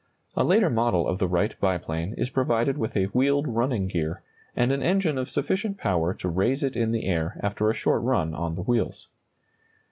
A later model of the Wright biplane is provided with a wheeled running gear, and an engine of sufficient power to raise it in the air after a short run on the wheels.